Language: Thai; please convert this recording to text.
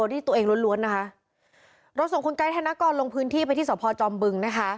ที่ตัวเองล้วนนะฮะเราส่งคุณกายธนกรลงพื้นที่ไปที่สอบพอร์จอมบึง